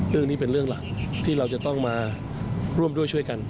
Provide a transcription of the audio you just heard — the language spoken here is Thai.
เรื่องนี้เป็นเรื่องหลักที่เราจะต้องมาร่วมด้วยช่วยกัน